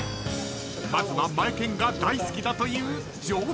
［まずはマエケンが大好きだという］